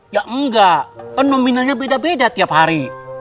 ya enggak nominannya beda beda tiap hari